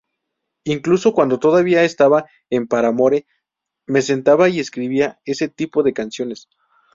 Incluso cuando todavía estaba en Paramore, me sentaba y escribía este tipo de canciones.